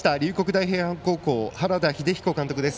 大平安高校原田英彦監督です。